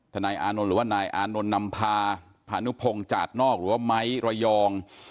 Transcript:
นายอานนท์หรือว่านายอานนท์นำพาพานุพงศ์จาดนอกหรือว่าไม้ระยอง